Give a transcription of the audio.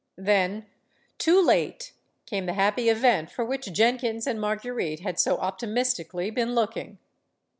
Then, too late, came the happy event for which Jen kins and Marguerite had so optimistically been look ing.